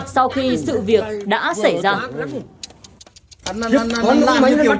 sau khi sự việc đã xảy ra